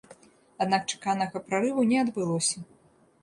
Аднак чаканага прарыву не адбылося.